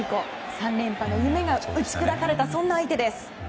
３連覇の夢が打ち砕かれた、そんな相手です。